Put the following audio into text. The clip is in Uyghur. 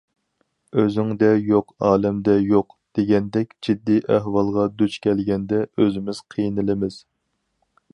‹‹ ئۆزۈڭدە يوق ئالەمدە يوق›› دېگەندەك، جىددىي ئەھۋالغا دۇچ كەلگەندە ئۆزىمىز قىينىلىمىز.